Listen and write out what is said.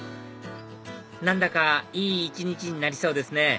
何だかいい一日になりそうですね